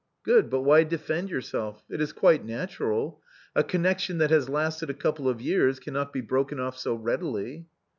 " Good, but why defend yourself ? It is quite natural. A connection that has lasted a couple of years cannot be broken off so readily."